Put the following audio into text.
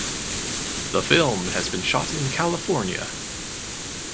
The film has been shot in California.